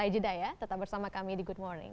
jeda ya tetap bersama kami di good morning